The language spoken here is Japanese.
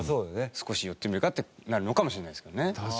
少し寄ってみるかってなるのかもしれないですけどね。